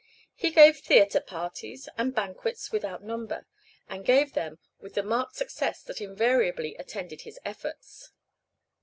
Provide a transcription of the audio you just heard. He gave theatre parties and banquets without number, and gave them with the marked success that invariably attended his efforts.